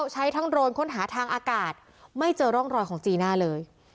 ใช้ทั้งโรนค้นหาทางอากาศไม่เจอร่องรอยของจีน่าเลย